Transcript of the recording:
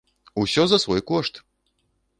Усё за свой кошт!